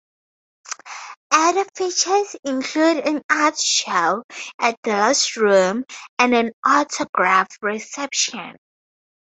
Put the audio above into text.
Other features include an art show, a dealer's room, and an autograph reception.